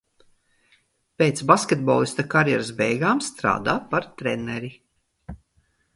Pēc basketbolista karjeras beigām strādā par treneri.